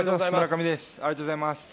ありがとうございます。